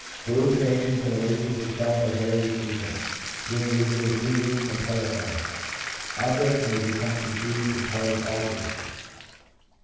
Hallucinations and illusions of sight are very frequent, being usually fleeting and terrifying. Objects may become confused and colours altered.